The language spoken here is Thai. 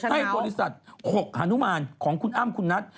ให้บริษัท๖ฮานุมานของคุณอ้ำคุณนัท